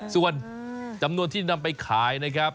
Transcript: ส่วนจำนวนที่นำไปขายนะครับ